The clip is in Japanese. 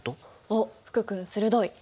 おっ福君鋭い！